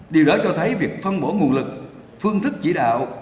điều đó cho thấy việc phân bổ nguồn lực phương thức chỉ đạo